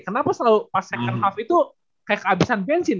kenapa selalu pas second off itu kayak kehabisan bensin